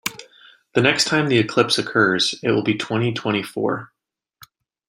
The next time the eclipse occurs is in twenty-twenty-four.